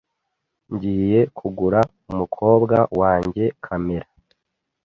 Ngiye kugura umukobwa wanjye kamera.